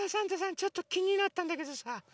ちょっときになったんだけどさ